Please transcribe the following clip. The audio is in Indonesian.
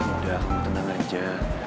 ya udah kamu tenang aja